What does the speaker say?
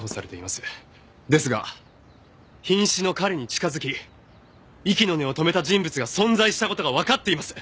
ですが瀕死の彼に近づき息の根を止めた人物が存在した事がわかっています。